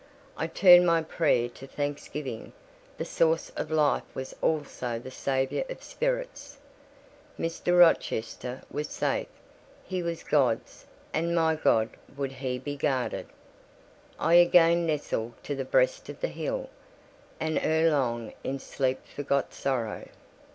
I turned my prayer to thanksgiving: the Source of Life was also the Saviour of spirits. Mr. Rochester was safe: he was God's, and by God would he be guarded. I again nestled to the breast of the hill; and ere long in sleep forgot sorrow.